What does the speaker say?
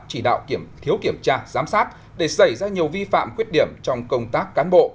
chỉ đạo thiếu kiểm tra giám sát để xảy ra nhiều vi phạm khuyết điểm trong công tác cán bộ